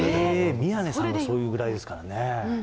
宮根さんがそう言うぐらいですからね。